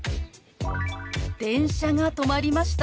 「電車が止まりました」。